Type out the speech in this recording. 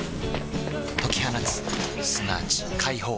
解き放つすなわち解放